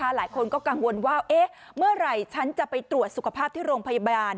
หลายคนก็กังวลว่าเมื่อไหร่ฉันจะไปตรวจสุขภาพที่โรงพยาบาล